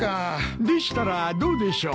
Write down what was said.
でしたらどうでしょう